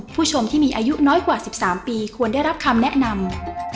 ผู้ชมที่มีอายุน้อยกว่า๑๓ปีควรได้รับคำแนะนำ